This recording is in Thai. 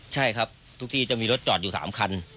ใช่ครับทุกที่จะมีรถจอดอยู่๓คัน